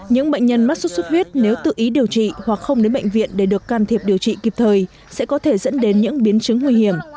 những bệnh nhân mắc sốt xuất huyết nếu tự ý điều trị hoặc không đến bệnh viện để được can thiệp điều trị kịp thời sẽ có thể dẫn đến những biến chứng nguy hiểm